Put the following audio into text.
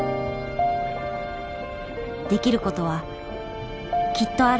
できることはきっとある。